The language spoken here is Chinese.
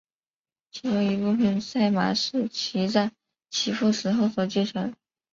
其中一部分赛马是其在其父死后所继承。